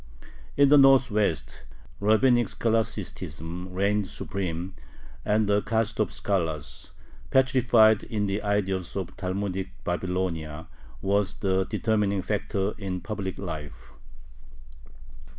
In the northwest rabbinic scholasticism reigned supreme, and the caste of scholars, petrified in the ideas of Talmudic Babylonia, was the determining factor in public life.